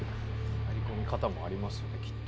入り込み方もありますよねきっと。